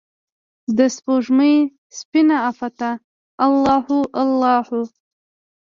دسپوږمۍ سپینه عفته الله هو، الله هو